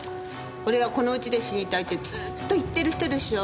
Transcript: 俺はこの家で死にたいってずーっと言ってる人でしょ？